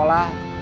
kita pasang pendek